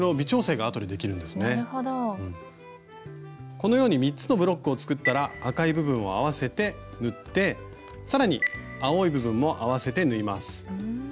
このように３つのブロックを作ったら赤い部分を合わせて縫って更に青い部分も合わせて縫います。